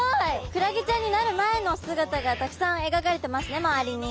クラゲちゃんになる前の姿がたくさんえがかれてますね周りに。